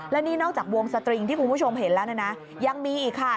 และนี่นอกจากวงสตริงที่คุณผู้ชมเห็นแล้วนะยังมีอีกค่ะ